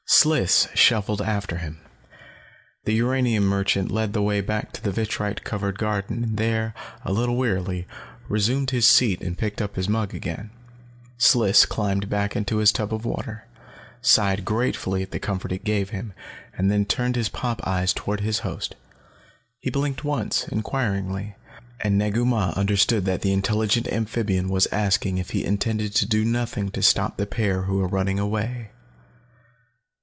Sliss shuffled after him. The uranium merchant led the way back to the vitrite covered garden and there, a little wearily, resumed his seat and picked up his mug again. Sliss climbed back into his tub of water, sighed gratefully at the comfort it gave him, and then turned his pop eyes toward his host. He blinked once, inquiringly, and Negu Mah understood that the intelligent amphibian was asking if he intended to do nothing to stop the pair who were running away.